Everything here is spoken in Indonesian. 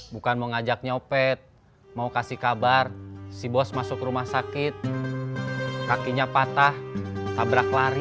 bukan mengajak nyopet mau kasih kabar si bos masuk rumah sakit kakinya patah tabrak lari